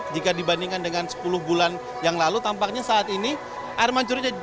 jika dibandingkan dengan sepuluh bulan yang lalu tampaknya saat ini air mancur